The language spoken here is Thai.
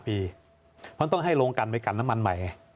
เพราะต้องให้โรงกันไปกันน้ำมันใหม่ไง